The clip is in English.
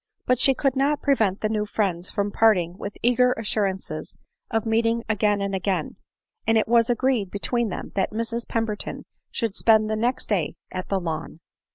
But she could not prevent the new friends from parting with eager assurances of meeting again and again ; and it was agreed between them, that Mrs Pemberton should spend the next day at the Lawn.